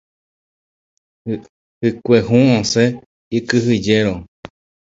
Hykue hũ omosẽ ikyhyjérõ.